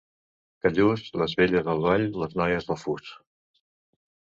Callús, les velles al ball, les noies al fus.